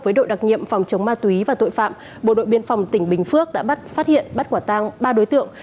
với đội đặc nhiệm phòng chống ma túy và tội phạm bộ đội biên phòng tỉnh bình phước đã phát hiện bắt quả tang ba đối tượng